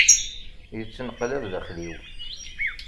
yettneqlab daxxel-iw.